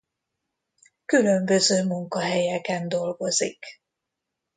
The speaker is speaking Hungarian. Különböző munkahelyeken dolgozik.